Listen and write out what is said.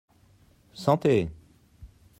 Santé !